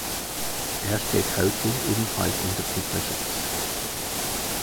Er steht heute ebenfalls unter Denkmalschutz.